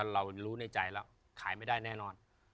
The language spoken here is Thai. เรารู้ในใจแล้วขายไม่ได้แน่นอน